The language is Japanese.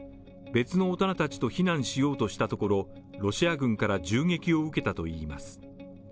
別の大人たちと避難しようとしたところ、ロシア軍から銃撃を受けたといいます。